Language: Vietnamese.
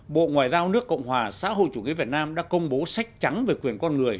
bộ ngoại giao nước cộng hòa xã hội chủ nghĩa việt nam đã công bố sách trắng về quyền con người